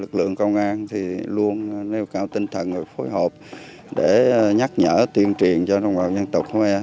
lực lượng công an thì luôn nêu cao tinh thần và phối hợp để nhắc nhở tuyên truyền cho đồng bào dân tộc khơ me